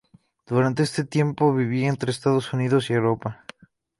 Durante este tiempo, vivía entre Estados Unidos y Europa.